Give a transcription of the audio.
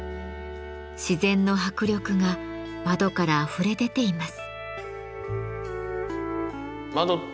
自然の迫力が窓からあふれ出ています。